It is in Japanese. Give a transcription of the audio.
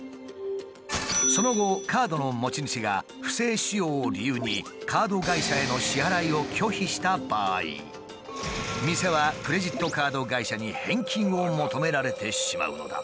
その後カードの持ち主が不正使用を理由にカード会社への支払いを拒否した場合店はクレジットカード会社に返金を求められてしまうのだ。